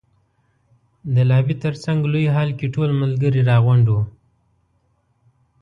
د لابي تر څنګ لوی هال کې ټول ملګري را غونډ وو.